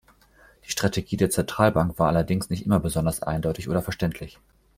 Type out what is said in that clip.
Die Strategie der Zentralbank war allerdings nicht immer besonders eindeutig oder verständlich.